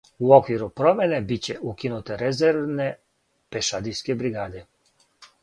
У оквиру промена биће укинуте резервне пешадијске бригаде.